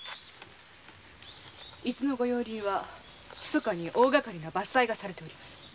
伊豆の御用林はひそかに大がかりな伐採がなされております。